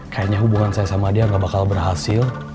kayaknya hubungan saya sama dia gak bakal berhasil